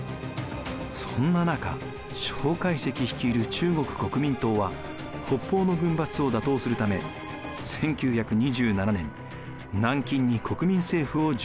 そんな中介石率いる中国国民党は北方の軍閥を打倒するため１９２７年南京に国民政府を樹立